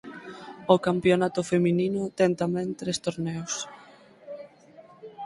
O campionato feminino ten tamén tres torneos.